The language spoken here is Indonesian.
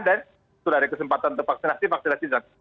dan sudah ada kesempatan untuk vaksinasi